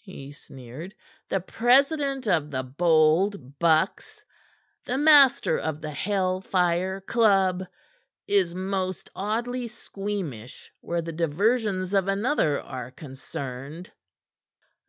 he sneered. "The president of the Bold Bucks, the master of the Hell Fire Club, is most oddly squeamish where the diversions of another are concerned."